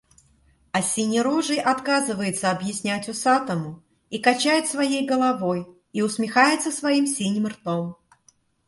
А синерожий отказывается объяснять усатому, и качает своей головой, и усмехается своим синим ртом.